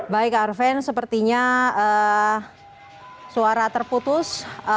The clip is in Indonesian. baik arven sepertinya suara terputus